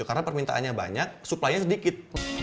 karena permintaannya banyak supply nya sedikit